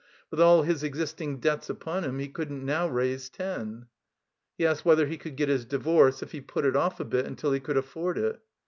With all his existing debts upon him he couldn't now raise ten. He asked whether he could get his divorce if he put it off a bit tmtil he could afford it